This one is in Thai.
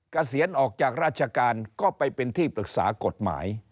เกษียณออกจากราชการก็ไปเป็นที่ปรึกษากฎหมาย